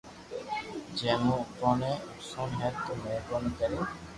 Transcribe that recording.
جي مون اپو ني نقسون ھي تو مھربوبي ڪرين